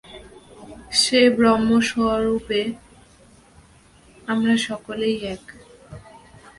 সেই ব্রহ্মস্বরূপে আমরা সকলেই এক।